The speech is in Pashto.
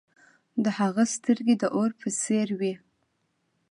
د هغه سترګې د اور په څیر وې.